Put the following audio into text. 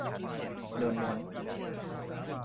โดนม้วน